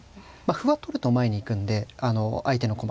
歩は取ると前に行くんで相手の駒が。